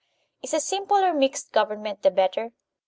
Is a simple or mixed government the better